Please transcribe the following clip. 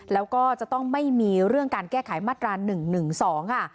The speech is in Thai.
แล้วก็จะต้องไม่มีเรื่องการแก้ไขมาตรา๑๑๒ค่ะ